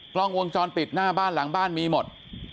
กล้องวงจรปิดหน้าบ้านหลังบ้านมีหมด